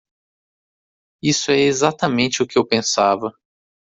Isso é exatamente o que eu pensava.